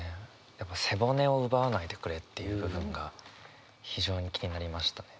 やっぱ「背骨を、奪わないでくれ」っていう部分が非常に気になりましたね。